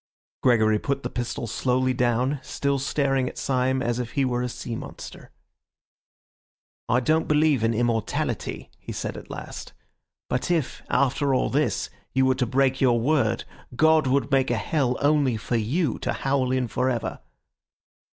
Gregory put the pistol slowly down, still staring at Syme as if he were a sea monster. "I don't believe in immortality," he said at last, "but if, after all this, you were to break your word, God would make a hell only for you, to howl in for ever."